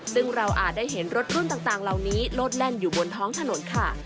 ซึ่งเราอาจได้เห็นรถรุ่นต่างเหล่านี้โลดแล่นอยู่บนท้องถนนค่ะ